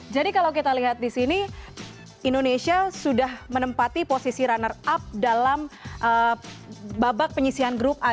jadi kalau kita lihat di sini indonesia sudah menempati posisi runner up dalam babak penyesihannya